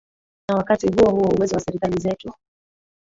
na wakati huo huo uwezo wa serikali zetu